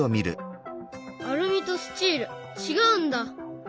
アルミとスチール違うんだ？